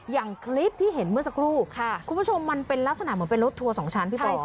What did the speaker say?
อย่างคลิปที่เห็นเมื่อสักครู่คุณผู้ชมมันเป็นลักษณะเหมือนเป็นรถทัวร์๒ชั้นพี่ก้อย